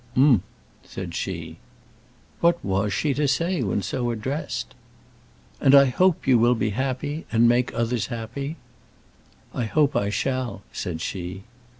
"Umph!" said she. What was she to say when so addressed? "And I hope you will be happy, and make others happy." "I hope I shall," said she.